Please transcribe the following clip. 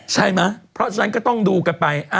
ใช่ไหมเพราะฉะนั้นก็ต้องดูกันไป